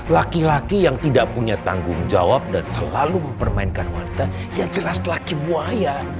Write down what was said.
laki laki yang tidak punya tanggung jawab dan selalu mempermainkan wanita ya jelas laki buaya